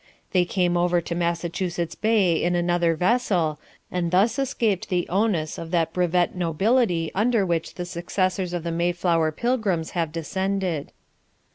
They came over to Massachusetts Bay in another vessel, and thus escaped the onus of that brevet nobility under which the successors of the Mayflower Pilgrims have descended.